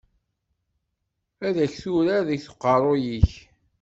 Ad k-turar deg uqerruy-ik.